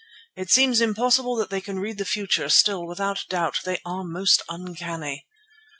It seems impossible that they can read the future, still, without doubt, they are most uncanny."